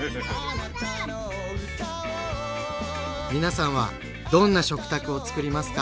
皆さんはどんな食卓をつくりますか？